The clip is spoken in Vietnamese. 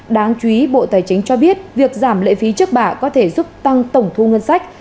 đáng chú ý bộ tài chính cho biết việc giảm lệ phí trước bạ có thể giúp tăng tổng thu ngân sách